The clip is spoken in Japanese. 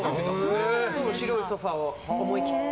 白いソファは思い切って。